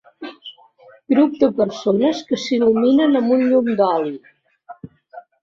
Grup de persones que s'il·luminen amb un llum d'oli.